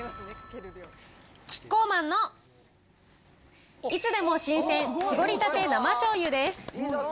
キッコーマンのいつでも新鮮しぼりたて生しょうゆです。